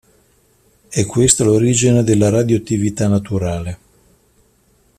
È questa l'origine della radioattività naturale.